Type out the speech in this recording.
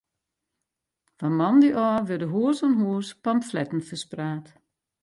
Fan moandei ôf wurde hûs oan hûs pamfletten ferspraat.